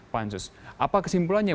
pansus apa kesimpulannya